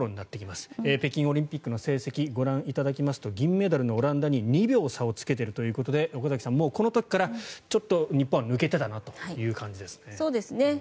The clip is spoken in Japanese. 北京オリンピックの成績ご覧いただきますと銀メダルのオランダに２秒差をつけているということで岡崎さん、この時からちょっと日本は抜けていたなという感じですかね。